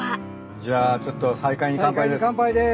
じゃあちょっと再会に乾杯です。